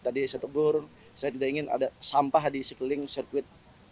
tadi saya tegur saya tidak ingin ada sampah di sekeliling sirkuit